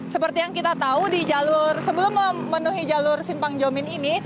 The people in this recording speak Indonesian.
seperti yang kita tahu di jalur sebelum memenuhi jalur simpang jomin ini